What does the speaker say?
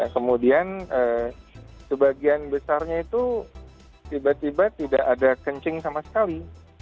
kemudian sebagian besarnya itu tiba tiba tidak ada kencing sama sekali